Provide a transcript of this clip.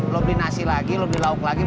lo beli nasi lagi lo beli lauk lagi